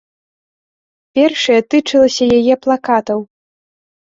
Першае тычылася яе плакатаў.